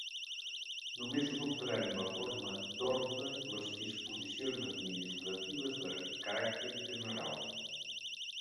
Només adoptaran la forma d'orde les disposicions administratives de caràcter general.